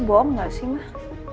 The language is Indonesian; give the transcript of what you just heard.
bohong gak sih mah